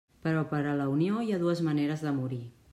Però per a la Unió hi ha dues maneres de morir.